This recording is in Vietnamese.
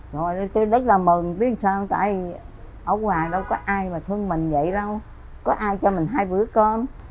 rồi tôi rất là mừng tại vì ở ngoài đâu có ai mà thương mình vậy đâu có ai cho mình hai bữa cơm